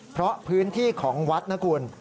เพราะพื้นที่ของวัดนะคุณ